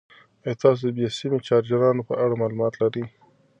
ایا تاسو د بې سیمه چارجرونو په اړه معلومات لرئ؟